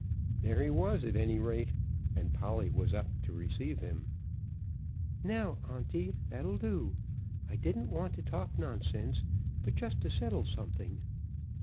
There he was, at any rate, and Polly was up to receive him. "Now, Onty, that'll do. I didn't want to talk nonsense, but just to settle something."